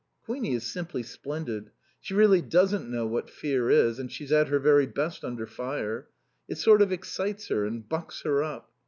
Queenie is simply splendid. She really doesn't know what fear is, and she's at her very best under fire. It sort of excites her and bucks her up.